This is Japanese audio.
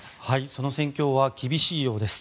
その戦況は厳しいようです。